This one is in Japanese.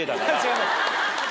違います。